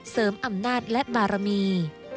เสริมอำนาจและบารมี